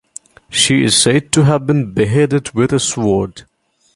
She is said to have been beheaded with a sword.